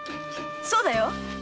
そうだよ！